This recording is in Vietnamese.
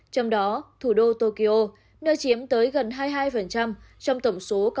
trong đó thủ đô tokyo nơi chiếm tới gần hai mươi hai trong tổng số ca mắc covid một mươi chín trên toàn quốc chỉ có ba mươi sáu ca